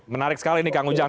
menarik sekali nih kang ujang